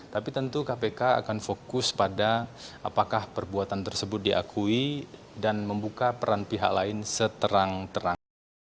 tapi tentu kpk akan fokus pada apakah perbuatan tersebut diakui dan membuka peran pihak lain seterang terang